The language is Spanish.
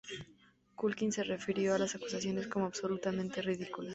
Culkin se refirió a las acusaciones como "absolutamente ridículas".